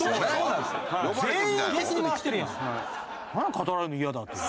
語られるの嫌だって。